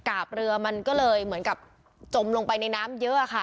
เรือมันก็เลยเหมือนกับจมลงไปในน้ำเยอะค่ะ